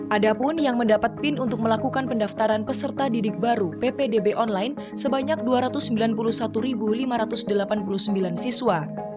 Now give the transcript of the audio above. ada pun yang mendapat pin untuk melakukan pendaftaran peserta didik baru ppdb online sebanyak dua ratus sembilan puluh satu lima ratus delapan puluh sembilan siswa